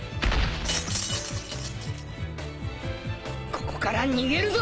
ここから逃げるぞ。